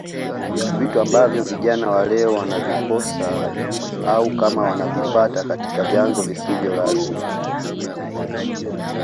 Vitu ambavyo vijana wa leo wanavikosaau kama wanavipata katika vyanzo visivyo rasmi